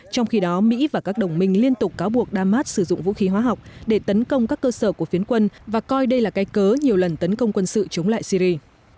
trong khi đó mỹ và các đồng minh liên tục cáo buộc đa mát sử dụng vũ khí hóa học để tấn công các cơ sở của phiến quân và coi đây là cây cớ nhiều lần tấn công quân sự chống lại syri